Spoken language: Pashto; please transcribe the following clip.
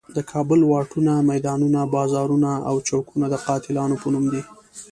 د کابل واټونه، میدانونه، بازارونه او چوکونه د قاتلانو په نوم دي.